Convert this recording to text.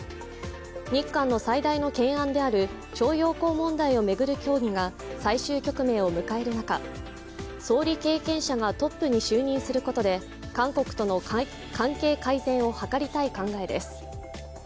日韓の最大の懸案である徴用工問題を巡る協議が最終局面を迎える中、総理経験者がトップに就任することで韓国との関係改善を図りたい考えです。